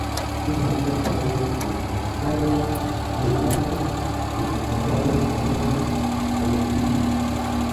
Dum la dua tago de batalo, plejparte de ambaŭ armeoj kolektiĝis.